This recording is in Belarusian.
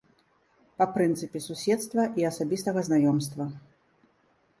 Па прынцыпе суседства і асабістага знаёмства.